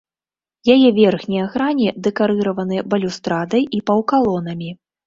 Яе верхнія грані дэкарыраваны балюстрадай і паўкалонамі.